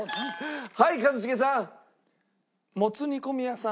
はい一茂さん。